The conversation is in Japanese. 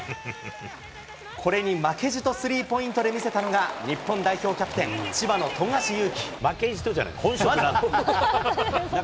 これに負けじとスリーポイントで見せたのが、日本代表キャプテン、千葉の富樫勇樹。